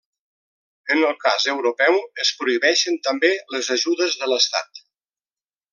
En el cas europeu es prohibeixen també les ajudes de l'estat.